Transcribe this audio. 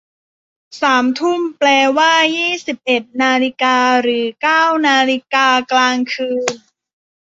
สามทุ่ม แปลว่ายี่สิบเอ็ดนาฬิกา หรือเก้านาฬิกากลางคืน